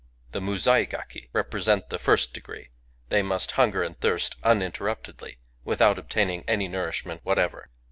The Muzai gaki represent the first degree: they must hunger and thirst uninterruptedly, without obtaining any nour ishment whatever.